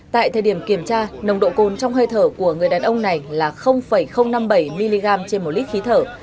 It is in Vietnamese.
tại thời điểm kiểm tra nồng độ cồn trong hơi thở của người đàn ông này là năm mươi bảy mg trên một lít khí thở